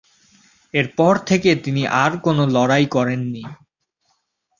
এরপর থেকে তিনি আর কোনো লড়াই করেননি।